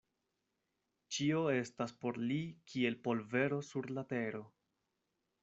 Ĉio estas por li kiel polvero sur la tero.